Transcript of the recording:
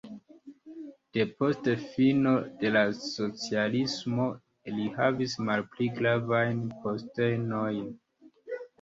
Depost fino de la socialismo li havis malpli gravajn postenojn.